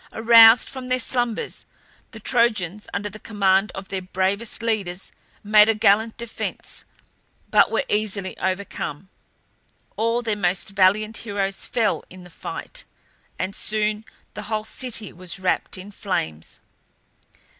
Aroused from their slumbers, the Trojans, under the command of their bravest leaders, made a gallant defence, but were easily overcome. All their most valiant heroes fell in the fight, and soon the whole city was wrapt in flames.